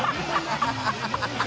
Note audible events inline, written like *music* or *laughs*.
ハハハ *laughs*